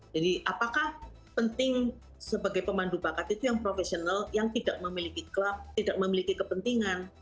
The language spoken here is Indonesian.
jadi apakah penting sebagai pemandu bakat itu yang profesional yang tidak memiliki klub tidak memiliki kepentingan